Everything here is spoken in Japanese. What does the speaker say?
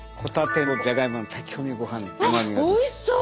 おいしそう！